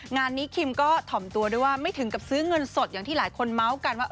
งานนี้คิมก็ถ่อมตัวด้วยว่าไม่ถึงกับซื้อเงินสดอย่างที่หลายคนเมาส์กันว่า